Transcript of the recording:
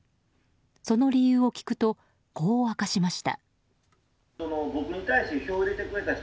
その理由を聞くとこう明かしました。